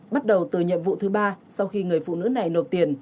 bắt đầu từ nhiệm vụ thứ ba sau khi người phụ nữ này nộp tiền